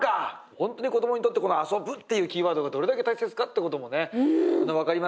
本当に子どもにとってこの遊ぶっていうキーワードがどれだけ大切かってこともね分かりますし。